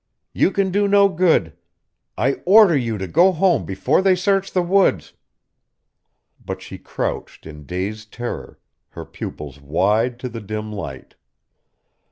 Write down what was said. "You can do no good. I order you to go home before they search the woods." But she crouched in dazed terror, her pupils wide to the dim light.